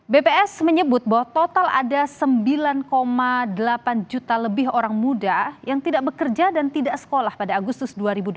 bps menyebut bahwa total ada sembilan delapan juta lebih orang muda yang tidak bekerja dan tidak sekolah pada agustus dua ribu dua puluh